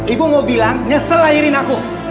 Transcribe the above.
ibu mau bilang nyesel lahirin aku